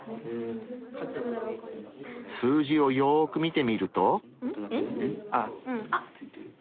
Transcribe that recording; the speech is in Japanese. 数字をよく見てみると。え？あっ！